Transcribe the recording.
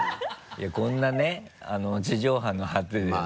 いやこんなね地上波の果てでね。